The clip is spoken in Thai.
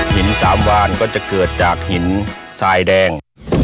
หินสามวานก็จะเกิดจากหินทรายแดง